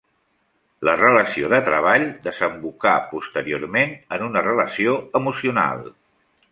La relació de treball desembocà posteriorment en una relació emocional.